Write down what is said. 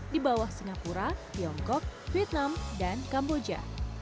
di bawah singapura tiongkok vietnam dan kamboja